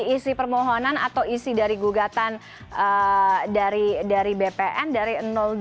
isi permohonan atau isi dari gugatan dari bpn dari dua